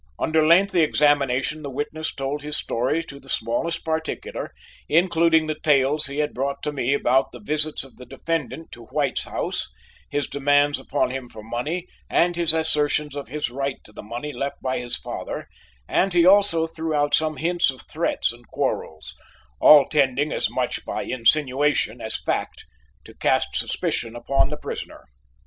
Under lengthy examination the witness told his story to the smallest particular, including the tales he had brought to me about the visits of the defendant to White's house, his demands upon him for money, and his assertions of his right to the money left by his father, and he also threw out some hints of threats and quarrels all tending as much by insinuation as fact to cast suspicion upon the prisoner.